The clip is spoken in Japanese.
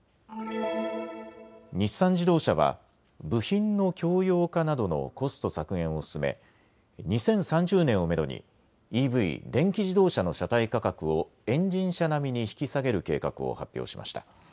日産自動車は部品の共用化などのコスト削減を進め２０３０年をめどにＥＶ・電気自動車の車体価格をエンジン車並みに引き下げる計画を発表しました。